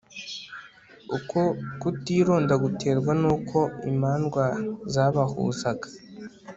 uko kutironda guterwa n'uko imandwa zabahuzaga